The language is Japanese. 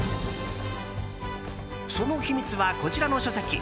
その秘密は、こちらの書籍。